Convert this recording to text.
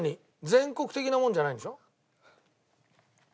全国的なものじゃないんでしょ？